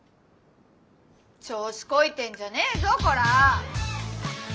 調子こいてんじゃねえぞこら！